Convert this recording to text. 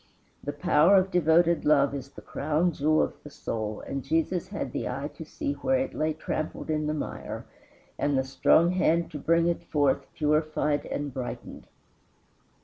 The power of devoted love is the crown jewel of the soul, and Jesus had the eye to see where it lay trampled in the mire, and the strong hand to bring it forth purified and brightened.